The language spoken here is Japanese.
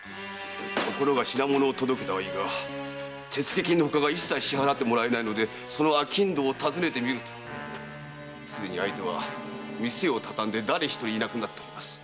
ところが品物を届けたはいいが手付け金のほかが一切支払ってもらえないのでその商人を訪ねてみるとすでに相手は店をたたんで誰一人いなくなっています。